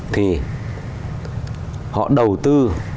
thì họ đầu tư